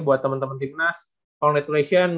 buat temen temen timnas congratulations